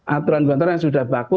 aturan bantuan yang sudah baku